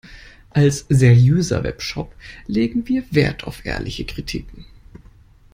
Als seriöser Webshop legen wir Wert auf ehrliche Kritiken.